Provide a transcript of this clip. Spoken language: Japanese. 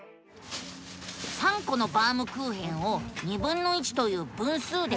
３コのバウムクーヘンをという分数で分けると。